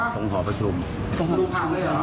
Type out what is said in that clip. ตรงหอประชุมตรงหอประชุม